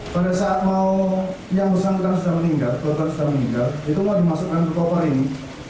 pada saat mau yang bersangkutan sudah meninggal korban sudah meninggal itu mau dimasukkan ke korban ini